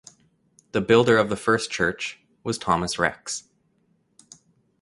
The builder of the first church was Thomas Rex.